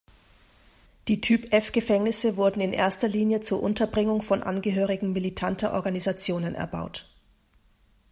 Die Typ-F-Gefängnisse wurden in erster Linie zur Unterbringung von Angehörigen militanter Organisationen erbaut.